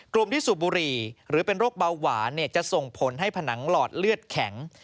กลุ่มที่สูบบุหรี่หรือเป็นโรคเบาหวานจะส่งผลให้ผนังหลอดเลือดแข็ง